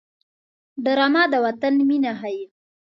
ډرامه د وطن مینه ښيي